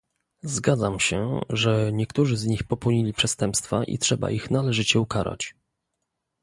Zgadzam się, że niektórzy z nich popełnili przestępstwa i trzeba ich należycie ukarać